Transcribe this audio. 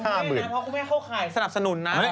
เพราะคุณแม่เข้าข่ายสนับสนุนนะ